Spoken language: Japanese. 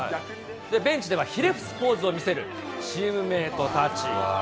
ベンチではひれ伏すポーズを見せるチームメートたち。